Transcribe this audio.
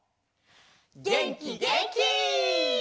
げんきげんき！